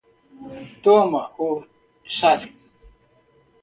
Toma o chasque